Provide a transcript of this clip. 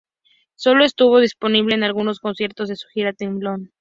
Solo estuvo disponible en algunos conciertos de su gira The End.